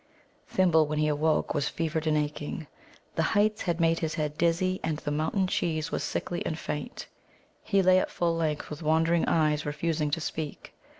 Thimble, when he awoke, was fevered and aching. The heights had made his head dizzy, and the mountain cheese was sickly and faint. He lay at full length, with wandering eyes, refusing to speak.